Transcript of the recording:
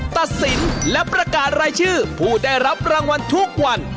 ตัดสินและประกาศรายชื่อผู้ได้รับรางวัลทุกวัน